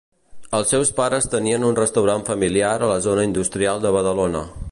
Els seus pares tenien un restaurant familiar a la zona industrial de Badalona.